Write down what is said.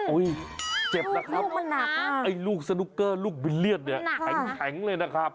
เจ็บนะครับไอ้ลูกสนุกเกอร์ลูกบิลเลียสเนี่ยแข็งเลยนะครับ